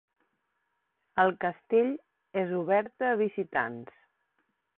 El castell és obert a visitants.